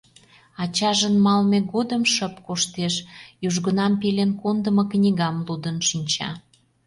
Ачажын малыме годым шып коштеш, южгунам пелен кондымо книгам лудын шинча.